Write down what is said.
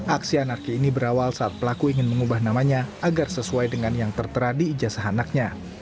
aksi anarki ini berawal saat pelaku ingin mengubah namanya agar sesuai dengan yang tertera di ijazah anaknya